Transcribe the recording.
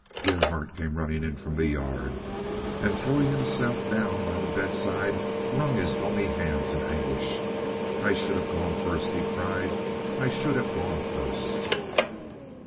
Gerhardt came running in from the yard, and, throwing himself down by the bedside, wrung his bony hands in anguish. "I should have gone first!" he cried. "I should have gone first!"